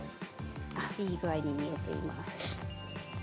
いい具合に煮えています。